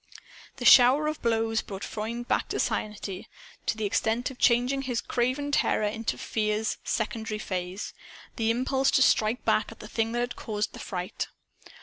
The shower of blows brought Freund back to sanity, to the extent of changing his craven terror into Fear's secondary phase the impulse to strike back at the thing that had caused the fright.